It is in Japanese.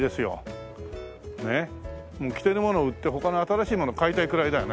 もう着てるもの売って他の新しいもの買いたいくらいだよね。